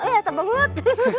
eh atap banget